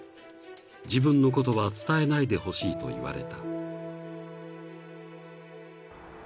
［自分のことは伝えないでほしいと言われた］